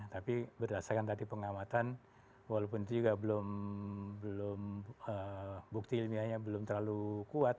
tapi berdasarkan tadi pengamatan walaupun itu juga belum bukti ilmiahnya belum terlalu kuat